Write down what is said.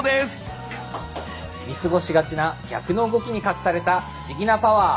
見過ごしがちな逆の動きに隠された不思議なパワー。